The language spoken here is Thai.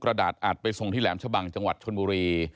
ดาดอัดไปส่งที่แหลมชะบังจังหวัดชนบุรี